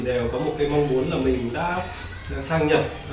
đều có một cái mong muốn là mình đã sang nhật